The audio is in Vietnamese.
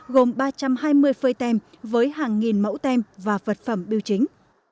gồm ba trăm hai mươi phơi tem với hàng nghìn mẫu tem và vật phẩm biêu chính